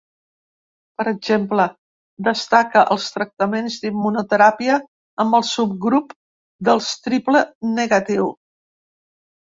Per exemple, destaca els tractaments d’immunoteràpia amb el subgrup dels triple negatiu.